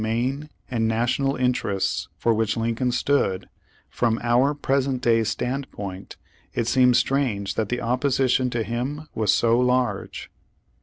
ane and National interests for which Lincoln stood, from our present day stand point it seems strange that the opposition to him was so large.